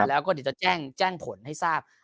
แล้วก็จะแจ้งผลให้ทราบ